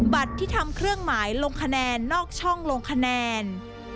บัตรที่ทำเครื่องหมายลงคะแนนนอกช่องลงคะแนน